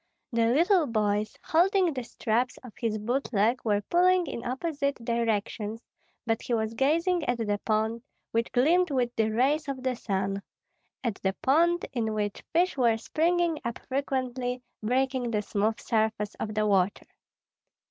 The little boys, holding the straps of his boot leg, were pulling in opposite directions; but he was gazing at the pond, which gleamed with the rays of the sun, at the pond, in which fish were springing up frequently, breaking the smooth surface of the water.